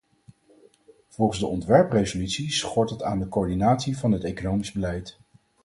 Volgens de ontwerpresolutie schort het aan coördinatie van het economisch beleid.